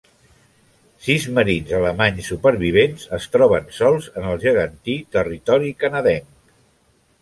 Sis marins alemanys supervivents es troben sols en el gegantí territori canadenc.